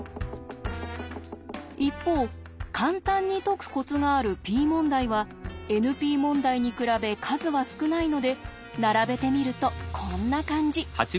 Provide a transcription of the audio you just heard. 一方簡単に解くコツがあるＰ問題はＮＰ問題に比べ数は少ないので並べてみるとこんな感じ。